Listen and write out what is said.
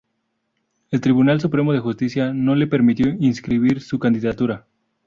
El Tribunal Supremo de Justicia no le permitió inscribir su candidatura.